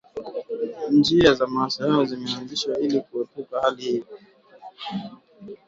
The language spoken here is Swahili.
Njia za mawasiliano zimeanzishwa ili kuepuka hali hiyo